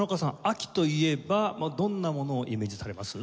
秋といえばどんなものをイメージされます？